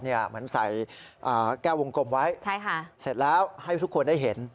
เหมือนใส่แก้ววงกลมไว้เสร็จแล้วให้ทุกคนได้เห็น